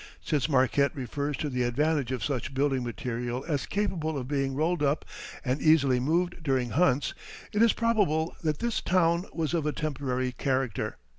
Since Marquette refers to the advantage of such building material as capable of being rolled up and easily moved during hunts, it is probable that this town was of a temporary character.